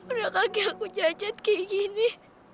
udah kaki aku jacet kayak gini